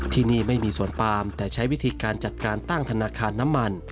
ที่นี่ไม่มีสวนปามแต่ใช้วิธีการจัดการตั้งธนาคารน้ำมัน